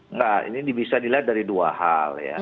enggak ini bisa dilihat dari dua hal ya